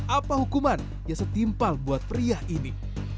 apa hukuman yang setimpal buat pria ini